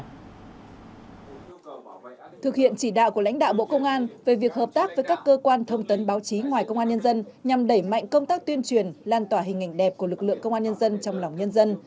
thực hiện chỉ đạo của lãnh đạo bộ công an về việc hợp tác với các cơ quan thông tấn báo chí ngoài công an nhân dân nhằm đẩy mạnh công tác tuyên truyền lan tỏa hình ảnh đẹp của lực lượng công an nhân dân trong lòng nhân dân